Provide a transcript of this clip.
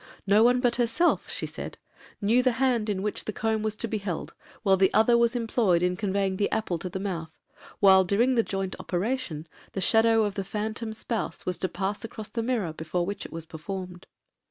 No one but herself (she said) knew the hand in which the comb was to be held, while the other was employed in conveying the apple to the mouth,—while, during the joint operation, the shadow of the phantom spouse was to pass across the mirror before which it was performed.